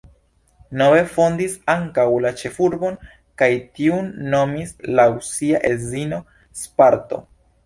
Nove fondis ankaŭ la ĉefurbon kaj tiun nomis laŭ sia edzino Sparto.